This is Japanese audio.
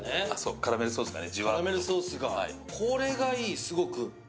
カラメルソースがね。